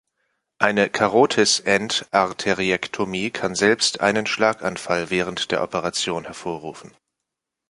Eine Karotisendarteriektomie kann selbst einen Schlaganfall während der Operation hervorrufen.